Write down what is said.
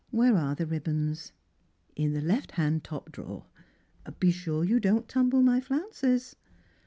"Where are the ribbons ?"" In the left hand to^D drawer. Be sure you don't tumble my bounces."